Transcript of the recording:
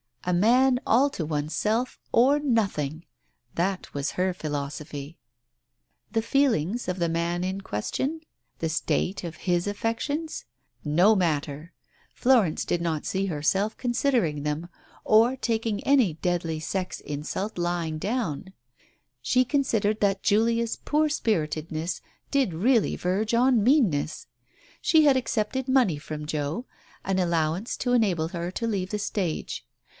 A man all to oneself or nothing ! That was her philosophy. The feelings of the man in question ? The state of his affections? No matter! Florence did not see herself considering them, or taking any deadly sex insult lying Digitized by Google 44 TALES OF THE UNEASY down. She considered that Julia's poor spiritedness did really verge on meanness. She had accepted money from Joe — an allowance to enable her to leave the stage.